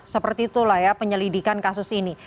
seperti itulah ya penyelidikan kasus ini